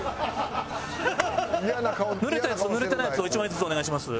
濡れたやつと濡れてないやつを１枚ずつお願いします。